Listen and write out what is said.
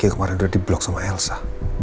kemarin udah di blok sama elsa